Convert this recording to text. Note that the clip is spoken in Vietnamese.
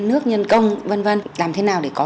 nước nhân công v v làm thế nào để có